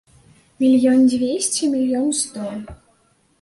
Мільён дзвесце, мільён сто!